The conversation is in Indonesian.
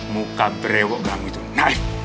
muka berewok kamu itu naif